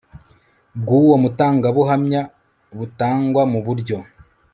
bw uwo mutangabuhamya butangwa mu buryo